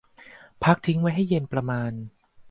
พักทิ้งไว้ให้เย็นประมาณ